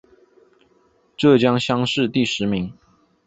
浙江乡试第十名。